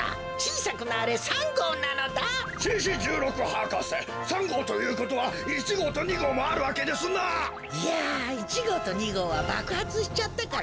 いや１ごうと２ごうはばくはつしちゃったからもうないのだ。